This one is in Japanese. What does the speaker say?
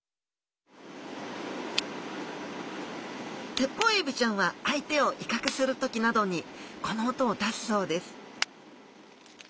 テッポウエビちゃんは相手を威嚇する時などにこの音を出すそうです